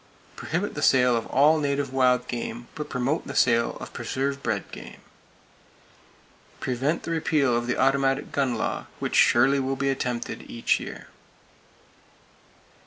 Prohibit the sale of all native wild game; but promote the sale of preserve bred game. Prevent the repeal of the automatic gun law, which surely will be attempted, each year.